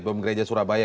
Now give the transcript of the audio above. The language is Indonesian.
bom gereja surabaya ya